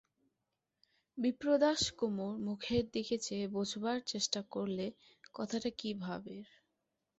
বিপ্রদাস কুমুর মুখের দিকে চেয়ে বোঝবার চেষ্টা করলে কথাটা কী ভাবের।